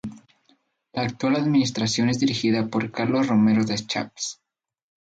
La actual administración es dirigida por Carlos Romero Deschamps.